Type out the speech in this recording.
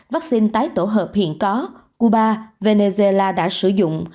vaccine tái tổ hợp hiện có cuba venezuela đã sử dụng